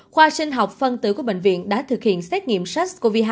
khoa sinh học phân tử của bệnh viện đã thực hiện xét nghiệm sars cov hai